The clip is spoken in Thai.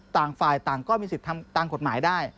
ต่างฝ่ายต่างก็มีสิทธิ์ทำตามกฎหมายได้